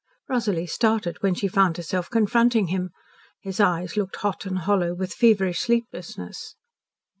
Rosalie started when she found herself confronting him. His eyes looked hot and hollow with feverish sleeplessness.